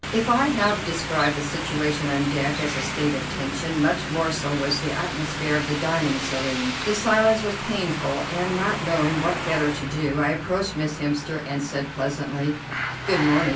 If I have described the situation on deck as a state of tension, much more so was the atmosphere of the dining saloon. The silence was painful, and, not knowing what better to do, I approached Miss Hemster and said pleasantly: "Good morning.